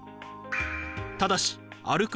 ただし歩く